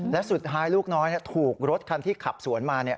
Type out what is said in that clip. และสุดท้ายลูกน้อยถูกรถคันที่ขับสวนมา